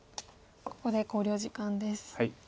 ここで考慮時間です。